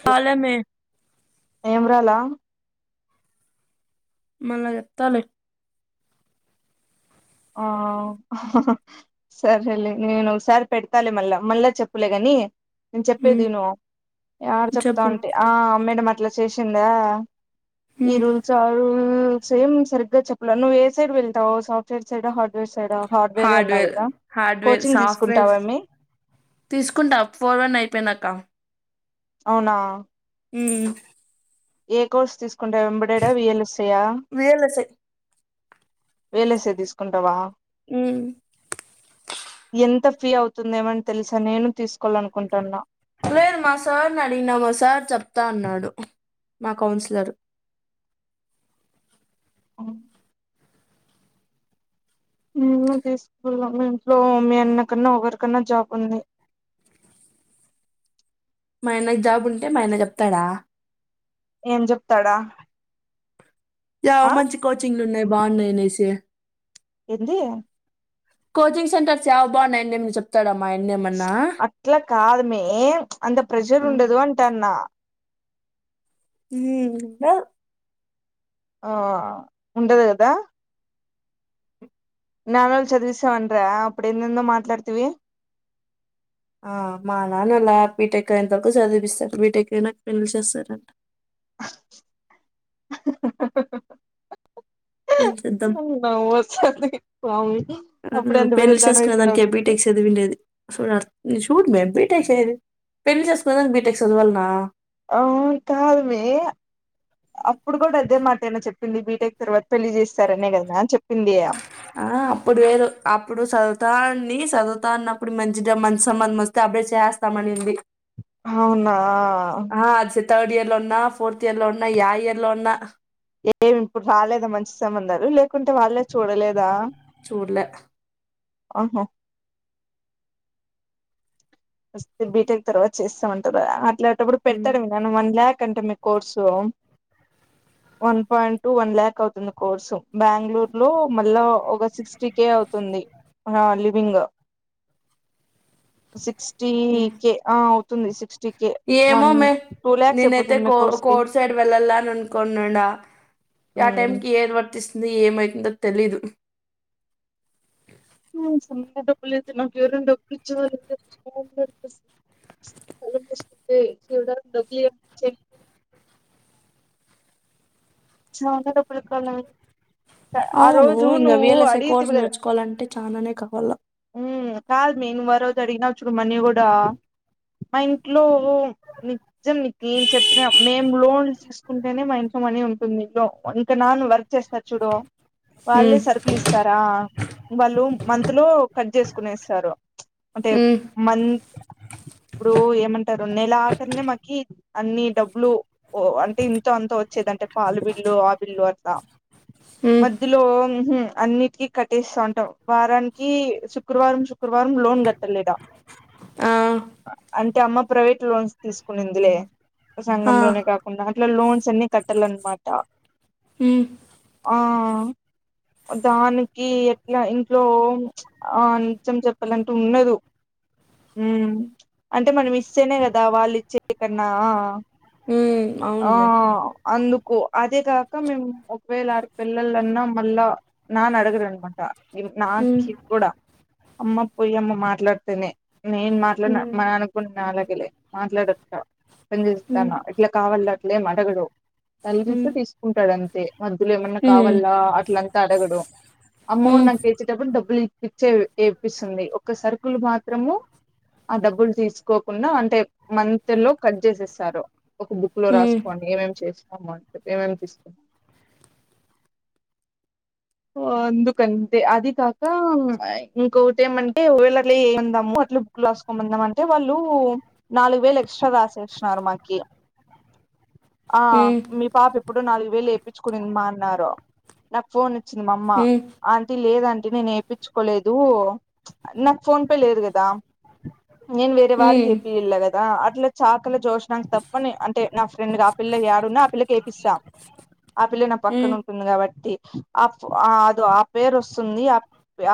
కాలమే. ఏం రాలా. మళ్ళ చెప్తలే. ఆ సరేలే నేను ఒకసారి పెడతాలే మళ్ళా మళ్ళా చెప్పులే గానీ. నేన్ ఉమ్ చెప్పేదిను. యాద్ చెప్పు చెప్తాంటి ఆ మేద మత్. అట్లా చేసిందా ఈ ఉమ్ రూల్ చాలు ఉమ్ సేమ్ సరిగ్గా చెప్పలే నువ్వు ఏ సైడ్ వెళ్తావు software side hardware hardware కదా హార్డ్వేర్ కోచింగ్ సాఫ్ట్వేర్ తీసుకుంటావామ్మి తీసుకుంటా ప్ ఫోర్ వన్ అయిపోయినాక అవునా ఉమ్ ఏ కోర్స్ తీసుకుం టావ్ ఎంబెడెడ్ ఆ వి ఎల్ ఎస్ ఐ ఆ రియల్ఎస్ఐ వి ఎల్ ఎస్ ఐ తీసుకుంటావా ఉమ్ ఎంత ఫీ అవుతుంది ఏమని తెలుసా నేను తీసుకోవాలనుకుంటున్నా లేదు మా సార్ నీ అడిగినా మా సార్ చెప్తా అన్నాడు మా కౌన్సిలర్ అవు ఉమ్ తీసుకుందాం మీ ఇంట్లో మీ అన్న కన్నా ఒకరికన్నా జాబ్ ఉంది మాయన్న జాబ్ ఉంటే మాయన్న చెప్తాడా ఏం చెప్తాడా జాబ్ ఆ మంచి కోచింగ్లు ఉన్నాయి బాగున్నాయి అనేసి ఏంది కోచింగ్ సెంటర్స్ యావి బాగున్నాయ్ అనేది చెప్తాడ అట్లా కాదు మే అంత ప్రెజర్ ఉమ్ ఉండదు అంటాన్న ఉమ్ ఇంకా ఆ ఉండదు కదా ననాలు చదివేసా అంట అప్పుడు ఏందో ఏందో మాట్లాడతవి ఆ మా నాన్న అలా బీటెక్కయినంత వరకు చదివిస్తారు బీటెక్క అయినాక పెళ్ళి చేస్తారంట ఏం చేద్దాం నవ్వు వస్తాంది స్వామి అప్పుడే అంత పెద్ద పెండ్లి దానివి చేసుకునే అయిపోయినావు దానికి నువ్వు బీటెక్స్ చదివిండేది అసో చూడు మేము బీటెక్స్ [unintelligible] పెళ్లి చేసుకునేదానికి బీటెక్ చదువాలనా హా కాదుమీ అప్పుడు కూడా ఇదే మాటేనా చెప్పింది బీటెక్ తరువాత్ పెళ్ళి చేస్తారనే కదా చెప్ ఆ అప్పుడు వేరు అప్పుడు సాధుతా సదువుతా అన్నప్పుడు మంచిగా మంచి సంబంధం వస్తే అపుడే చేస్తామనింది హవునా.. అది థర్డ్ ఇయర్ లో ఉన్నా ఫోర్త్ ఇయర్ లో ఉన్నా యా ఇయర్ లో ఉన్నా ఏమి ఇప్పుడు రాలేదా మంచి సంమంధాలు లేకుంటే వాళ్ళే చూడలేదా ఉడిలె ఆహో ఫస్ట్ బీటెక్ తర్వాత చేస్తమంటారు అట్లా అప్పుడు హ్మ్. పెడ్తాడేము నను వన్ ల్యాక్ అంటే course one point one lakh అవుతుంది కోర్సు బెంగళూరు లో మళ్ళా ఒక సిక్స్టీ కే అవుతుంది ఇగ లివింగ్ సిక్స్ హ్ కే వన్ ఏమోమే టూ ల్యాక్స్ నేనైతే అయిపోతుంది మీ కో కోర్స్ కి కోడ్ సైడ్ వెళ్ళాలనుకున్నండా ఆ టైంకి ఏది వర్తీస్ ది ఏమైతుందో తెలీదు హ్ సమాయానికి డబ్బు లేదు నాకు ఎవరన్న డబ్బు ఇచ్చేవాళ్ళుంటే బాగుండేది ఫ్రెండ్స్ కళ్ళు మూసుకుంటే దేవుడా డబ్బులియ చెప్పి చాలా డబ్బు అవును రోజు ఇంక నువ్వు వి ఎల్ ఎస్ ఐ అడిగితివి కోర్స్ కదా నేర్చుకోవాలంటే చాలా నే కావాల మ్మ్ కాదు మీ నువ్యు ఆ రోజు అడిగినవ్ చూడు మనీ కూడా మా ఇంట్లో నిజం నీకు ఏం చెప్పిన మేము లోన్లు తీసుకుంటేనే మా ఇంట్లో మనీ ఉం నిజం అంటే నాన్ వర్క్ చేస్తారు. చూడు వాళ్ళే హ్మ్. సరుకులు ఇస్తారా వాళ్ళు మంత్ లో కట్ చేసుకునేస్తరు అంటే హ్మ్. మంత్ ఇప్పుడు ఏమంటారు. నెల ఆకరినే మాకి అన్ని డబ్బులు ఓ అంటే ఇంతో అంతో వచ్చేదంటే పాలు బిల్లు ఆ బిల్లు అట్లా హ్మ్. మధ్యలో ఉహ్ అన్నిటికీ కట్టేస్తాంటాం వారానికి శుక్రవారం శుక్రవారం లోన్ కట్టలిడా ఆ! ఆ అంటే అమ్మ ప్రైవెట్ లోన్స్ తీసుకునిందిలే ఆ! సంగంలోనే కాకుండా అట్లా లోన్స్ అన్ని కట్టాలని మట హ్ ఆ దానికి ఎట్లా ఇంట్లో ఆ నిత్యం చెప్పాలంటే ఉండదు. ఉ అంటే మనం ఇస్తేనే కదా వాళ్ళు ఇచ్చేది కన్నా ఆ ఉ అవునులే అందుక్ కు అదే కాక మేము ఒకవేల ఆరు పిల్లలన్నా మళ్ళా నాన్న అడగరన్నమాట నాన్ హ్మ్. కి సిగ్ కూడా అమ్మ పొయ్యమ్మ మాట్లాడితేనే నేను మాట్లాడిన హ్మ్. మా నాన్న కున్న నాలాగే లె మాట్లాడరు పని హ్మ్. చేస్తాన్న ఇట్లా కావాల్ల [unintelligible] తలిగిస్తే హ్మ్. తీసుకుంటడం మద్దులు ఏమన్నా హ్మ్. కావాల్ల అట్లా అన్ అడగడం. అమ్మౌ హ్మ్. హ్మ్. నాకు ఇచ్చేటప్పుడు డబ్బులు ఇప్పించే ఏ ఇప్పిస్తుంది. ఒక సర్కుల్ మాత్రము ఆ డబ్బులు తీసుకోకున్న అంటే మంత్ లో కట్ జెసేస్తారు. ఒక బుక్ లో హ్మ్. రాసుకోని ఏమేం చేస్ అమ్మ అంటే ఎం ఎం తీసుకున్నావ్ ఆ ఎందుకంటే అది కాక ఇంకొటి ఏమంటే వాల్ అట్లా చేయి అందాము. అట్లే బుక్ రాసుకోందామ అంటే వాళ్ళు నాలుగు వేలు ఎక్స్ట్రా రాసేసిన్నారు. మాకి ఆ హ్మ్. మీ పాప ఎప్పుడు నాలుగు వేలు వేపిచ్చుకునిందమ్మా అన్నారు. నాకు ఫోన్ చి మామ్మ హ్మ్. హ్మ్. అం లేదాంటి నేను ఏపిచ్చుకోలేదు. నాకు ఫోన్ పే లేదు గాదా నేను వేరే వాల్లాక్ ఏపియ్ లె గదా ఆ అట్లా చాకల జోశ్నకి తప్ప అంటే నా ఫ్రెండ్ ఆ పిల్ల ఏడున్నా ఆ పిల్లకి ఏపిస్తా ఆ పిల్ల నా పక్కన హ్మ్. ఉంటుంది. కాబట్టి ఆప్ అదో ఆ పేరు వస్తుంది. ఆ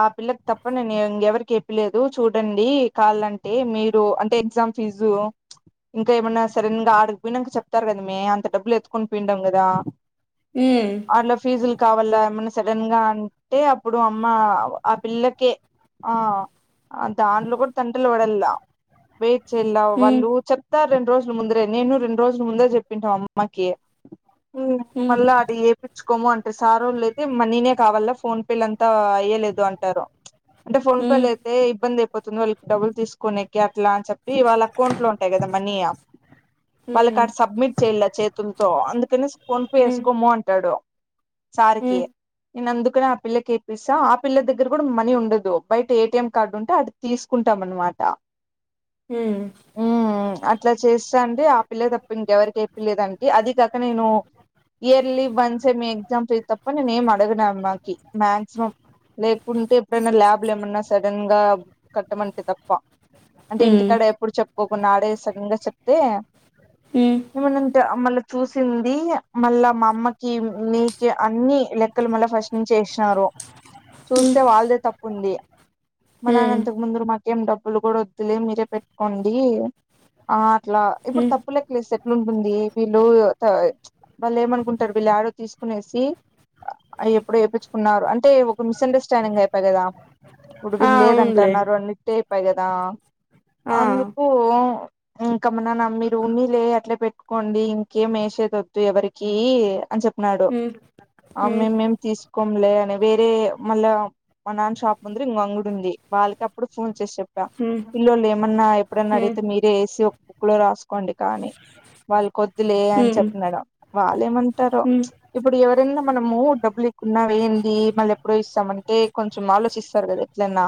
ఆ పిల్లకి తప్ప నేను ఇంగా ఎవరికి ఏపియ్లేదు. చూడండి కావలంటే మీరు అంటే ఎగ్జామ్ ఫీజు ఇంకా ఏమన్నా సడేన్ గా ఆడిగిపోయినంక చెప్తారు. గదమ్మీ అంత డబ్బులు ఎత్తుకొని పోయిండాం గదా హ్మ్. హ్మ్. హ్మ్. అల్ల ఫీజుల్ కావాల్ల మొన్న సడన్ గా అంటే అప్పుడు అమ్మ ఆ పిల్లకే ఆ దానిలో కూడా తంటలు పడల్లా వెయిట్ చేయల్ల వాళ్ళు చెప్తారు. రెండు రోజుల ముందరే నేను రెండు రోజుల ముందే చెప్పింట అమ్మకి హ్మ్. హ్మ్. మళ్ళ అది ఏయిచ్చుకోమ్మాంటే సారోళ్ళు లేదు తెమ్మ నేనే కావాల్ల ఫోన్ పేలంతా అయ్యలేదు అంటారు. అంటే ఫోన్ పే హ్మ్. హ్మ్. అయితే ఇబ్బంది అయిపోతుంది వాళ్ళకి డబ్బులు తీసుకోనీకి అట్లా అని చెప్పి వాళ్ళ అకౌంట్ లో ఉంటాయి. కదా మనీ వాళ్ళ కాడా సబ్మిట్ చేల చేతులతో అందుకనే ఫోన్ పే వేసుకోము అంటాడు సరికి నేను అందుకనే ఆ పిల్లకి ఎపిస్తా ఆ పిల్ల దగ్గర కూడా మనీ ఉండదు బయట ఏటిఎం కార్డు ఉంటే అటు తీసుకుంటాం అన్న మాట హ్మ్ అట్లా చేస్తా అండి ఆ పిల్లక్ తప్ప ఇంక ఎవరికి ఏపిల్లే దాంటీ అది కాక నేను ఇయర్లీ వన్సే మీ ఎగ్జామ్స్ తప్ప నేనేం అడగనా అమ్మాయి కి మాక్సిమం లేకుంటే ఎప్పుడైనా ల్యాబ్ లా ఏమన్నా సడన్ గా కట్టమంటే తప్ప హ్మ్. అంటే ఇంటి హ్మ్. కాడ ఎప్పుడు చెప్ ఒక నాడే సడన్ గా చెప్తే ఏమనంటే మళ్ళా చూసింది మళ్ళా మా అమ్మకి మీకి అన్ని లెక్కలు మళ్ళ ఫస్ట్ నుంచి ఎసినారు చూస్తే వాళ్దే తప్పు ఉంది హ్మ్. హ్మ్. మననంతకు ముందరు మా డబ్బులు కూడా వద్దులే మీరే పెట్టుకోండి ఇలా ఇప్పుడు హ్మ్. తప్పుల లెక్కలు ఎసె లుంటుంది వీళ్ళు అ ప్చ్ వాళ్ళు ఏమనుకుంటారు వీళ్ళు ఆడ తీసుకునేసి ఎప్పుడు ఏపిచుకున్నారు అంటే ఒక మిస్ అండర్స్టాండింగ్ అయిపోయ కదా ఆ! [unintelligible] అవునులే. లేదంటన్నారు అన్నటే ప్పాయి కదా ఆ! అందుకు ఇంకా మనాన్న మీరు ఉన్నలే అట్లే పెట్టుకోండి ఇంకేం వేసేదొద్దు ఎవరికి అని చెప్పినడు హ్మ్. ఆ హ్మ్. మేమేం తీసు కొమ్లే అని వేరే మళ్ళ మా నాన్న షాప్ ముందర ఇంకో అంగీడా ఉంది వాళ్ళకి అప్పుడు ఫోన్ చేసే ద హ్మ్. పిల్లలు ఏమన్నా ఎప్పుడన్నా హ్మ్. హ్మ్. అడిగితే మీరే ఎసి ఒక బుక్ లో రాసుకోండి కానీ వాళ్ళు కొద్ వద్దులే అని హ్మ్. చెపిన్నాడు వాళ్ళు ఏమంటారో హ్మ్. ప్చ్ ఇప్పుడు ఎవరి తిన్నాం మనము డబ్బులు ఇకున్న వెందిమళ్ళీ ఎప్పుడో ఇస్తామంటే కొంచెం ఆలోచిస్తారు కదా ఎట్లన్నా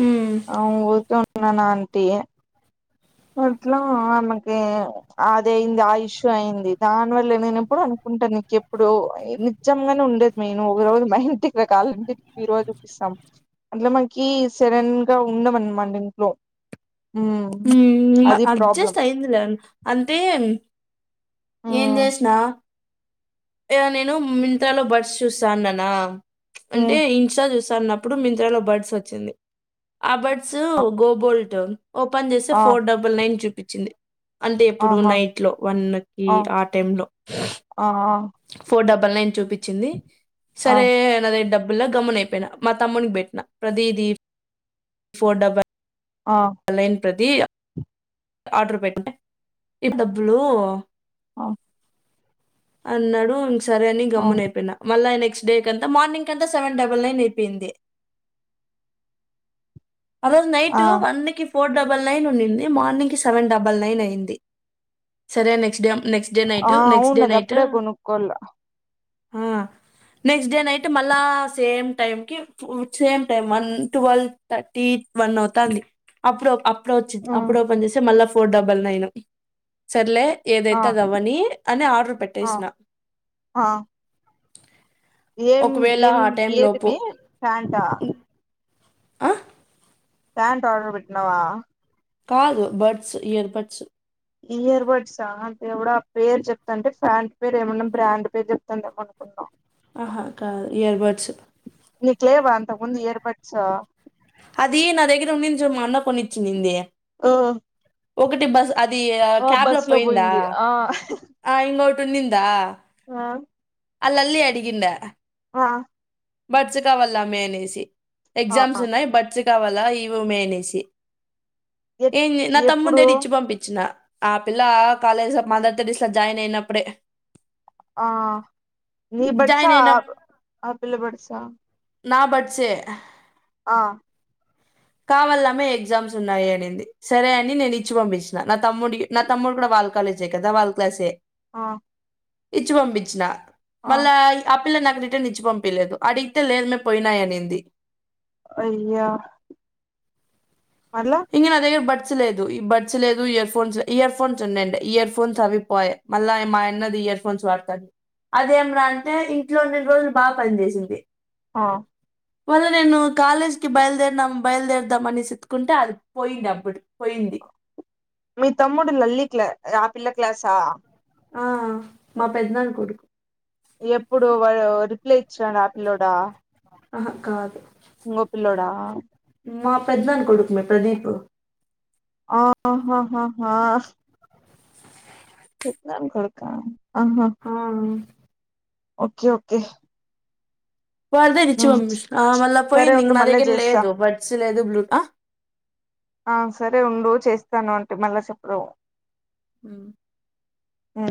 హ్మ్. అవును ఉరికే ఉండు నాన్న అంటి అట్లా ఆమెకి అది అయింది ఆ ఇష్యూ అయింది దానివల్ల నేను ఎప్పుడు అనుకుంటాను ఇంకెప్పుడు నిజంగానే ఉండేది నెను ఒక రోజు మా ఇంటికి రా కావాలా అంటే బీరువ చూపిస్తాం అట్లో మనకి సడన్ గా ఉండవనమాట ఇంట్లో మ్మ్ అది ప్రాబ్లం అడ్జస్ట్ అయిందిలే అంటే ఏం మ్మ్ చేసిన నేను మింత్రాలోబడ్స్ చూస్తాన్నాన అంటే మ్మ్ ఇన్స్ట్ చూస్ అన్నప్పుడు మింత్రాలో బడ్స్ వచ్చింది ఆ బడ్స్ గోబోల్ట్ ఓపెన్ చేస్తే ఆ ఫోర్డబల్ నైన్ చూప్ పిచ్చింది అంటే ఎప్పుడు ఆహా నైట్ లో వన్ కి ఆ టైం లో ఆ ఆ ఫోర్ డబ్ పళ్నయిన్ చూపి చ్చింది ఆ సరే అన్నది డబ్ బ్బులా గమ్మనైపోయిన మా తమ్మునికి పెట్టిన ప్రతిదీ ఫోర్ డబ ఆ ప్రదియా ఆర్డర్ పెట్టిన ఈ తప్పులు ఆ అన్నాడు సరే అని ఆ గమ్మన అయిపోయినా మళ్ళా ఆయన డేకి అంత మార్నింగ్ కంతా సెవెన్ డబుల్ నైన్ అయిపెయింది ఆ రోజు ఆ నైటు వన్ కి ఫోర్ డబల్ నైన్ ఉన్నింది మార్నింగ్కి సెవెన్ డబల్ నైన్ అయ్యింది సరే నెక్స్ట్ డే నెక్స్ట్ డే ఆ నైటు నెక్స్ట్ డే అవును అది నైటు అప్పుడే గొనుక్కోళ్ళ ఆ నెక్స్ట్ డే నైట్ మళ్ళా సేమ్ టైమ్ కీ సేమ్ టైమ్ వన్ ట్వెల్ థ టీ వన్ అవుతాంది అప్పుడు అ ప్పుడే వచ్చింది ఉమ్, అప్పుడు ఓపన్ జేస్తే మళ్ళా ఫోర్ డబుల్ నైన్ సర్లే ఆ ఏదైతే అదవ్వని అని ఆర్డర్ ఆ పెట్టేస్నా ఆ ఏం ఏం టైం ఏది లోపు మే ప్యాంటా ఆ ప్యాంట్ ఆర్డర్ పెట్నావా కాదు బడ్స్ ఇయర్ బడ్సు ఇయర్ బడ్సా దేవుడా పేరు చెప్తాంటే ఫ్యాంట్ పేరు ఏమన్నా బ్రాండ్ పేరు జోప్తాందేమో అనుకున్న ఆహా కాదు ఇయర్ బడ్సు నీకు లేవా అంతకు ముందు ఇయర్ బడ్సు అది నా దగ్గర ఉన్నింది చూ మా అన్న కొనిచ్చిన్నింది ఒకటి బజ్ అది ఆ క్యాబ్ లో బస్ పోయిందా పోయింది ఆ ఆ ఇంగో ఉండిందా ఆ ఆ లల్లి అడిగింద ఆ బడ్స్ కావలమ్మే అనేసి ఆ ఎగ్జామ్స్ ఉన్నాయి చ్చు కావాలా ఈవూమే అనేసి ఎ ఏంది నా తమ్మున్ ఎప్పుడు తోటి ఇచ్చి పంపిచ్చిన ఆ పిల్ల కాలేజ్ అఫ్ మదర్ తెరిస్లా జాయిన్ అయినప్పుడే ఆ నీ బడ్సా జాయిన్ అయిన ఆపిల్ల బడ్స్సా నా బడ్స్ ఏ అ కావాలా మే ఎగ్జామ్స్ ఉన్నాయి అనింది సరే అని నేనిచ్చి పంపించిన నా తమ్ముడి నా తమ్ముడు కూడా వాల్ కాలేజే కదా వాళ్ళ క్లాసే ఆ ఇచ్చి పంపించిన ఆ మల్లా అప్ పిల్ల నాకు రిటర్న్ ఇచ్చి పంపియలేదు అడిగితే లేదమే పోయినాయి అనింది అయ్యా మళ్ళ ఇంగ నా దగ్గర బడ్ స్ లేదు ఈ బడ్స్ లేదు ఇయర్ ఫోన్స్ ఇయర్ ఫోన్స్ ఉన్నాయండి ఇయర్ ఫోన్స్ అవిపోయె మల్లా మా ఆయన్నది ఇయర్ ఫోన్స్ వాడుతంది అదేం రా అంటే ఇంట్లో ఉన్నన్ని రోజులు బాగా పని చేేసింది ఆ మళ్ళ నేను కాలేజ్ కి బయలుదెరినం బయలుదేరదాం అనేసీ ఏత్తుకుంటే అది పోయింది అప్పుడు పోయింది. మీ తమ్ముడు లల్లి క్ల ఆ పిల్ల క్లాసా ఆ ఆ మా పెద్దనాన కొడుకు ఎప్పుడు వాడు ఆ రిప్లే యిచాడు ఆ పిల్లోడా అహ కాదు ఇంగో పిల్లోడా మా పెద్దన్నాన కొడుకుమే ప్రదీపు ఆహాహాహా పెద్దనాన్న కొడుకా ఆహా ఆ ఓకే ఓకే వారద రిచ్చీ ఉమ్. పంపించిన ఆ మళ్ళా సరే పోయింది ఇగ ఉండు నా మళ్ళా దగ్గర చేస్తా లేదు బడ్స్ లేదు బ్లూ మళ్ళ చెప్పురో హు ఆ